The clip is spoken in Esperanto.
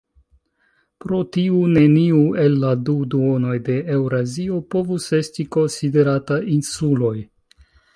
Pro tiu neniu el la du duonoj de Eŭrazio povus esti konsiderata insuloj.